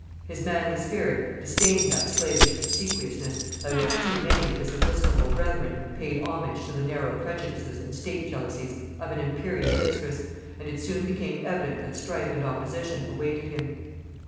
His manly spirit disdained that slavish obsequiousness by which too many of his episcopal brethren paid homage to the narrow prejudices and state jealousies of an imperious mistress, and it soon became evident that strife and opposition awaited him.